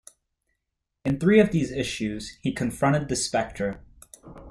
In three of these issues, he confronted the Spectre.